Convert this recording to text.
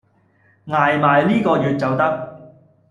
捱埋呢個月就得